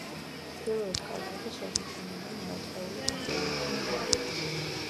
ჩრდილოეთ კალთაზე შემორჩენილია მეოთხეული გამყინვარების კვალი.